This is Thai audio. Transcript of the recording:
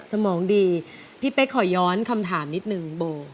สมองดีพี่เป๊กขอย้อนคำถามนิดนึงโบ